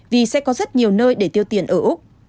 vì sẽ có rất nhiều nơi để tiêu tiền ở úc